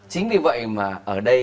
chính vì vậy mà ở đây